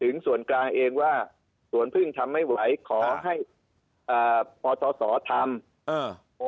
ส่วนกลางเองว่าสวนพึ่งทำไม่ไหวขอให้พศทำอ่า